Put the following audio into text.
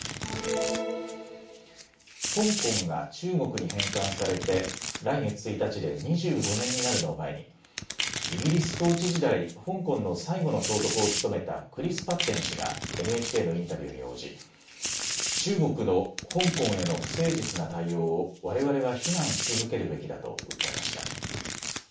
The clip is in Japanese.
香港が中国に返還されて来月１日で２５年になるのを前にイギリス統治時代香港の最後の総督を務めたクリス・パッテン氏がＮＨＫのインタビューに応じ中国の香港への不誠実な対応をわれわれは非難し続けるべきだと訴えました。